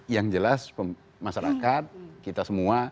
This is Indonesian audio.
yang jelas masyarakat kita semua